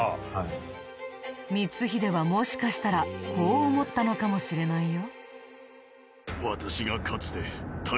光秀はもしかしたらこう思ったのかもしれないよ。